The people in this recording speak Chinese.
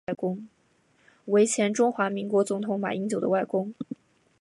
为前中华民国总统马英九的外公。